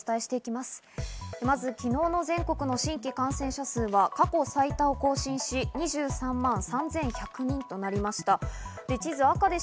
まず昨日の全国の新規感染者数は過去最多を更新し、２３万３１００人となりました。